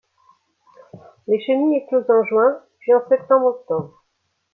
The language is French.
Les chenilles éclosent en juin, puis en septembre-octobre.